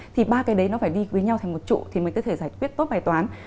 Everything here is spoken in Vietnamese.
thì ba cái đấy nó phải đi với nhau thành một trụ thì mới có thể giải quyết tốt bài toán